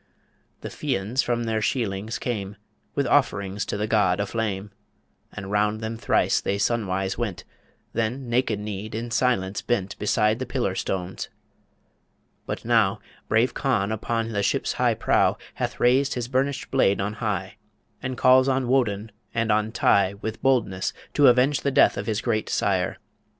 The Fians from their sheilings came, With offerings to the god a flame, And round them thrice they sun wise went; Then naked kneed in silence bent Beside the pillar stones ... But now Brave Conn upon the ship's high prow Hath raised his burnished blade on high, And calls on Woden and on Tigh With boldness, to avenge the death Of his great sire